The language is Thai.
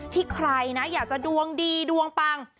ใครนะอยากจะดวงดีดวงปัง